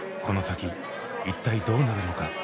この先一体どうなるのか？